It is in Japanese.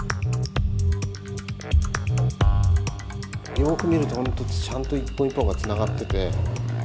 よく見ると本当ちゃんと一本一本がつながってて。